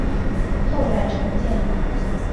后来重建。